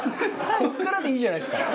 ここからでいいじゃないですか！